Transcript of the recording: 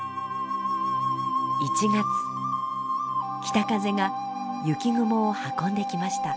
北風が雪雲を運んできました。